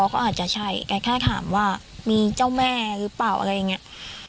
ก็อาจจะใช่แกแค่ถามว่ามีเจ้าแม่หรือเปล่าอะไรอย่างนี้